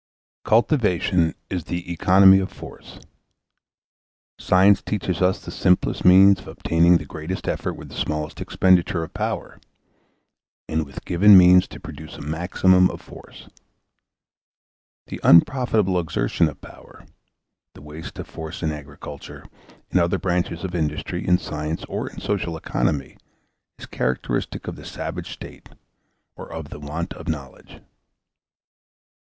Cultivation is the economy of force. Science teaches us the simplest means of obtaining the greatest effect with the smallest expenditure of power, and with given means to produce a maximum of force. The unprofitable exertion of power, the waste of force in agriculture, in other branches of industry, in science, or in social economy, is characteristic of the savage state, or of the want of knowledge.